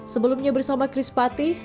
sebelumnya bersama chris patih